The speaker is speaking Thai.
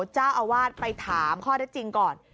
เจ้าอาวาสไปถามข้อได้จริงก่อน